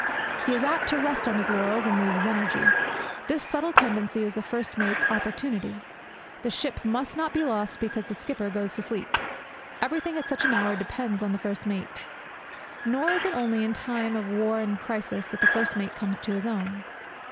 He is apt to rest on his laurels and lose his energy. This subtle tendency is the first mate's opportunity. The ship must not be lost because the skipper goes to sleep. Everything, at such an hour, depends on the first mate. Nor is it only in time of war and of crisis that the first mate comes to his own.